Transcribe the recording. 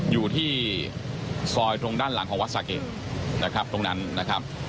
อยู่ที่ซอยตรงด้านหลังของวัดสาเกตนะครับตรงนั้นนะครับ